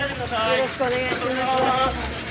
よろしくお願いします。